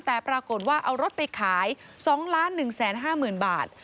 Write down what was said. แต่ปรากฏว่าเอารถไปขาย๒๑๕๐๐๐บาท